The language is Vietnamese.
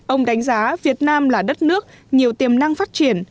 ông đánh giá việt nam là đất nước nhiều tiềm năng phát triển